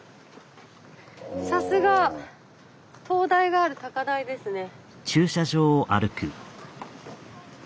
さすが灯台がある高台ですね。